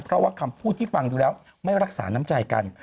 เพราะว่าคำพูดที่ฟังดูแล้วไม่รักษาน้ำใจกัน